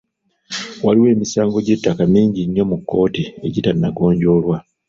Waliwo emisango gy'ettaka mingi nnyo mu kkooti egitannagonjoolwa.